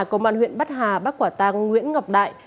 công an huyện bắc hà bắt quả tang nguyễn ngọc đại